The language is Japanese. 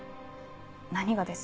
何がです？